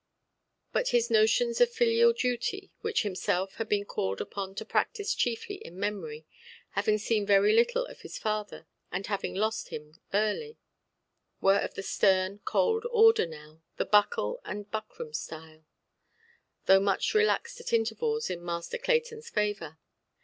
But his notions of filial duty—which himself had been called upon to practise chiefly in memory, having seen very little of his father, and having lost him early—were of the stern, cold order now, the buckle and buckram style; though much relaxed at intervals in Master Claytonʼs favour.